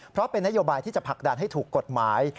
เพราะเป็นนโยบายที่จะผลักดันให้ถูกกฎหมาย